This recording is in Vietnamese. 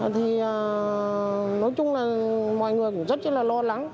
thì nói chung là mọi người cũng rất là lo lắng